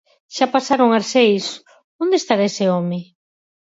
Xa pasaron as seis, onde estará ese home.